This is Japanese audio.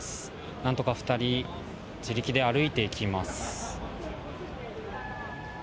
なんとか２人自力で歩いていきます。